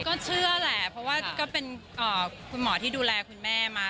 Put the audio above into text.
ก็เชื่อแหละเพราะว่าก็เป็นคุณหมอที่ดูแลคุณแม่มา